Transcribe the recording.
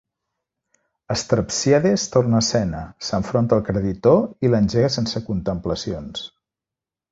Estrepsíades torna a escena, s'enfronta al creditor i l'engega sense contemplacions.